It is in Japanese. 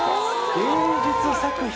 芸術作品。